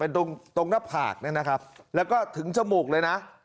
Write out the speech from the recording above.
ตรงตรงหน้าผากเนี่ยนะครับแล้วก็ถึงจมูกเลยนะ